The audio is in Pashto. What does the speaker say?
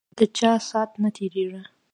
ده چا سات نه تیریږی